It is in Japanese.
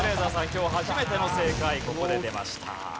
今日初めての正解ここで出ました。